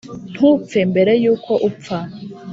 ntupfe mbere yuko upfa.